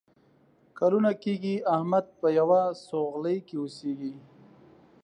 کلونه کېږي احمد په یوه سوغلۍ کې اوسېږي.